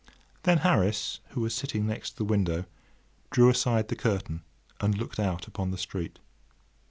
Then Harris, who was sitting next the window, drew aside the curtain and looked out upon the street.